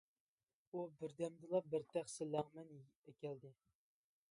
ئۇ بىر دەمدىلا بىر تەخسە لەڭمەن ئەكەلدى.